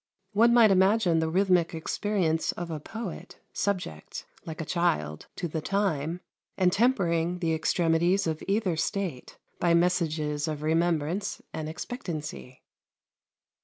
One might imagine the rhythmic experience of a poet, subject, like a child, to the time, and tempering the extremities of either state by messages of remembrance and expectancy.